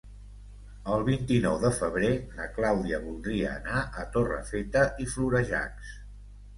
El vint-i-nou de febrer na Clàudia voldria anar a Torrefeta i Florejacs.